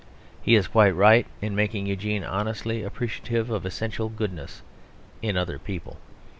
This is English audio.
He is quite right in making Eugene honestly appreciative of essential goodness in other people.